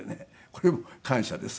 これも感謝です。